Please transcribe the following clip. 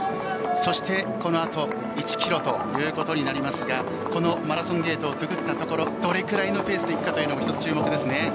そしてこのあと１キロということになりますがこのマラソンゲートをくぐったところどれくらいのペースでいくかというのも１つ、注目ですね。